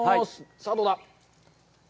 さあどうだ。